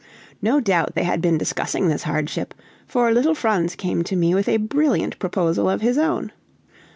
No doubt they had been discussing this hardship, for little Franz came to me with a brilliant proposal of his own.